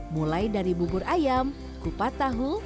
mulai dari bubur ayam kupat tahu